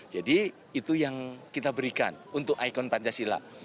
jadi itu yang kita berikan untuk ikon pancasila